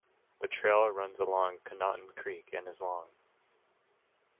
The trail runs along Conotton Creek and is long.